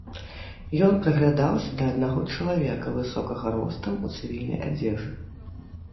Ён прыглядаўся да аднаго чалавека, высокага ростам, у цывільнай адзежы.